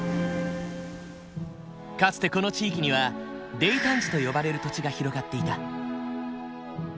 かつてこの地域には泥炭地と呼ばれる土地が広がっていた。